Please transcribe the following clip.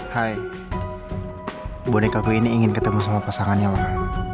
hai bonekaku ini ingin ketemu sama pasangannya lah